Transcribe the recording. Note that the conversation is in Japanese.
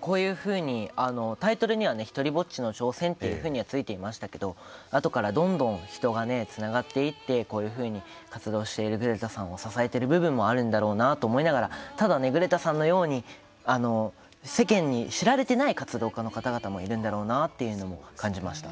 こういうふうにタイトルに「ひとりぼっちの挑戦」というふうにはついていましたがあとからどんどん人がつながっていってこういうふうに活動しているグレタさんを支えている部分があるんだなと思いながらただ、グレタさんのように世間に知られていない活動家の方もいらっしゃるんだろうなと感じました。